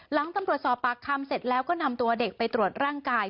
หลังตำรวจสอบปากคำเสร็จแล้วก็นำตัวเด็กไปตรวจร่างกาย